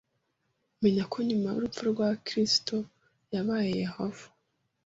Menya ko nyuma yurupfu rwa Kristo yabaye Yehova